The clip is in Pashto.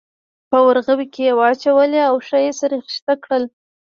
په ورغوي کې یې واچولې او ښه یې سره خیشته کړل.